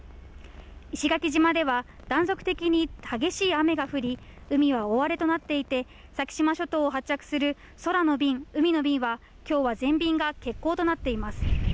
石垣島では断続的に激しい雨が降り、海は大荒れとなっていて、先島諸島を発着する空の便、海の便は今日は全便が欠航となっています。